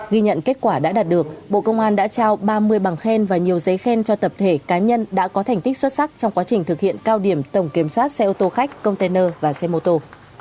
ghi nhận kết quả đã đạt được bộ công an đã trao ba mươi bằng khen và nhiều giấy khen cho tập thể cá nhân đã có thành tích xuất sắc trong quá trình thực hiện cao điểm tổng kiểm soát xe ô tô khách container và xe mô tô